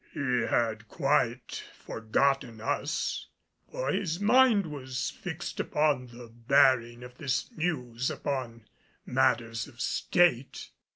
He had quite forgotten us; for his mind was fixed upon the bearing of this news upon matters of State.